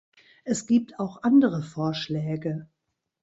Es gibt auch andere Vorschläge.